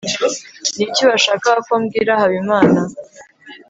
niki washakaga ko mbwira habimana